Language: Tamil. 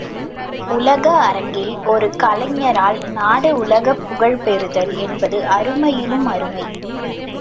உலக அரங்கில் ஒரு கவிஞரால் நாடு உலகப் புகழ் பெறுதல் என்பது அருமையிலும் அருமை.